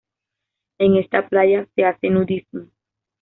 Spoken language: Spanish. En esta playa se hace nudismo.